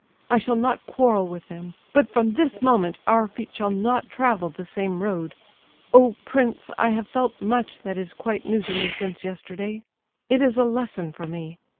I shall not quarrel with them; but from this moment our feet shall not travel the same road. Oh, prince, I have felt much that is quite new to me since yesterday! It is a lesson for me.